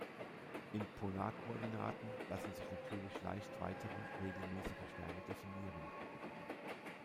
In Polarkoordinaten lassen sich natürlich leicht weitere regelmäßige Sterne definieren.